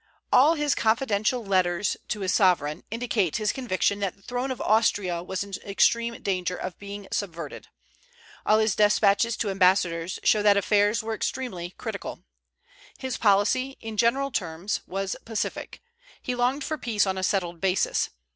All his confidential letters to his sovereign indicate his conviction that the throne of Austria was in extreme danger of being subverted. All his despatches to ambassadors show that affairs were extremely critical. His policy, in general terms, was pacific; he longed for peace on a settled basis.